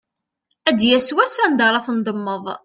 Ad d-yas wass anda ara tendemmeḍ.